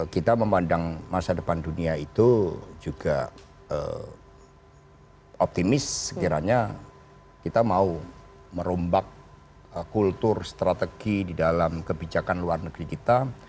kita memandang masa depan dunia itu juga optimis sekiranya kita mau merombak kultur strategi di dalam kebijakan luar negeri kita